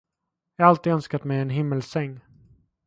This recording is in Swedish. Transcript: Jag har alltid önskat mig en himmelssäng.